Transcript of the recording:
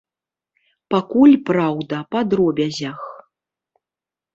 Пакуль, праўда, па дробязях.